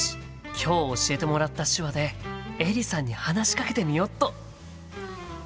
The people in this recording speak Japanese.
今日教えてもらった手話でエリさんに話しかけてみよっと！